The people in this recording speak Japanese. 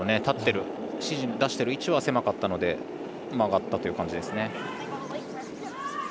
立っている出している指示は狭かったので曲がったという感じですね。